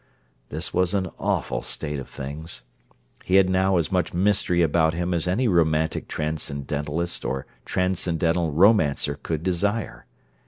This was an awful state of things. He had now as much mystery about him as any romantic transcendentalist or transcendental romancer could desire.